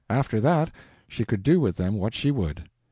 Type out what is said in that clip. After that, she could do with them what she would.